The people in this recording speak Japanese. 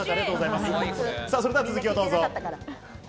それでは続きをどうぞ。